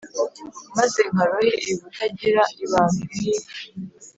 maze nkarohe ibutagira ibambe